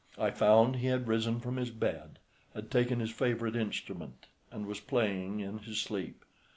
I found he had risen from his bed, had taken his favourite instrument, and was playing in his sleep.